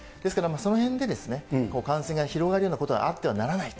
そのへんで、感染が広がるようなことがあってはならないと。